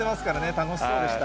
楽しそうでした。